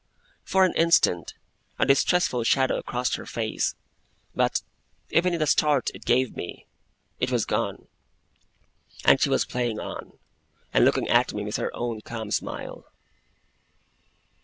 For an instant, a distressful shadow crossed her face; but, even in the start it gave me, it was gone; and she was playing on, and looking at me with her own calm smile.